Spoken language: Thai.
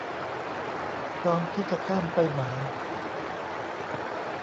พร้อมที่จะข้ามไปไหม